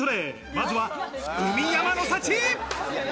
まずは海山の幸！